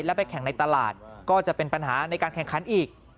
แล้วไปแข่งในตลาดก็จะเป็นปัญหาในการแข่งขันอีก